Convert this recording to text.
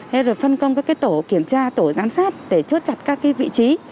hay là phân công các tổ kiểm tra tổ giám sát để chốt chặt các vị trí